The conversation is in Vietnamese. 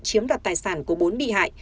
chiếm đặt tài sản của bốn bị hại